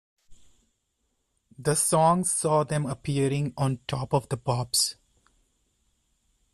The songs saw them appearing on "Top of the Pops".